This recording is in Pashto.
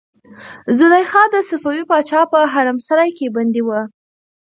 زلیخا د صفوي پاچا په حرمسرای کې بندي وه.